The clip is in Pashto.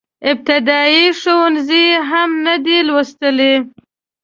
ابتدائيه ښوونځی يې هم نه دی لوستی.